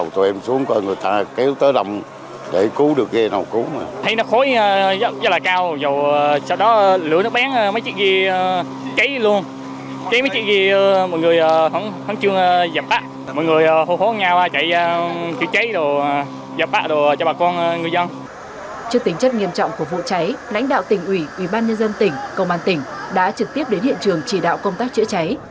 trước tính chất nghiêm trọng của vụ cháy lãnh đạo tỉnh ủy ủy ban nhân dân tỉnh công an tỉnh đã trực tiếp đến hiện trường chỉ đạo công tác chữa cháy